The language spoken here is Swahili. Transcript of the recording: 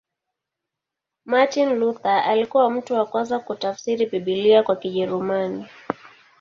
Martin Luther alikuwa mtu wa kwanza kutafsiri Biblia kwa Kijerumani.